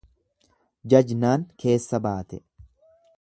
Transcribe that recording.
Jajnaan keessa baate.